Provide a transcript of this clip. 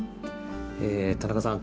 田中さん